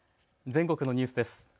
全国のニュースです。